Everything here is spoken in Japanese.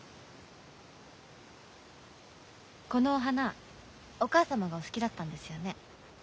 このお花お義母様がお好きだったんですよね？